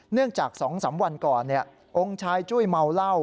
เนื่องจากสองสามวันก่อนเนี่ยองค์ชายจุ้ยเมาเหล้า